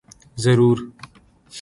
ضرور۔